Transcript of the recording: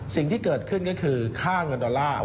สิ่งที่เกิดขึ้นก็คือค่าเงินดอลลาร์